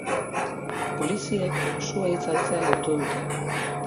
Poliziek sua itzaltzea lortu dute.